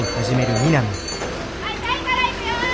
はいタイからいくよ。